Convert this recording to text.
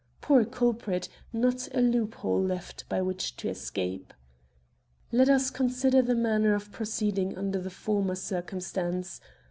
Poor culprit, not a loophole left by which to escape ! Let us consider the manner of proceeding under the former circumstance.